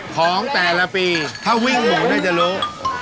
ของแต่ละปีถ้าวิ่งหมูน่าจะรู้